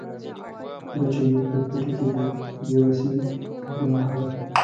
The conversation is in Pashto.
بچي یې په پټي کې په بې وسۍ ټوپونه وهل.